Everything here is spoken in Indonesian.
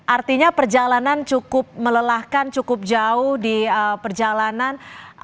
artinya perjalanan cukup melelahkan cukup jauh di perjalanan